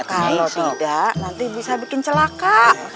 kalau tidak nanti bisa bikin celaka